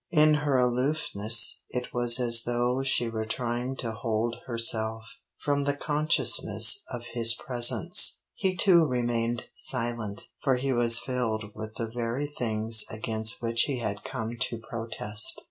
In her aloofness it was as though she were trying to hold herself, from the consciousness of his presence. He too remained silent. For he was filled with the very things against which he had come to protest.